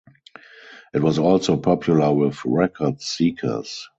It was also popular with record-seekers.